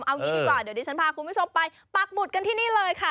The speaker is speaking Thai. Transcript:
เอางี้ดีกว่าเดี๋ยวดิฉันพาคุณผู้ชมไปปักหมุดกันที่นี่เลยค่ะ